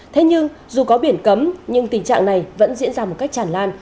thế nhưng dù có biển cấm nhưng tình trạng này vẫn diễn ra một cách chản lan